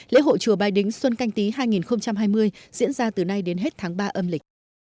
lễ hội chùa bái đính xuân canh tí hai nghìn hai mươi diễn ra từ nay đến hết tháng ba âm lịch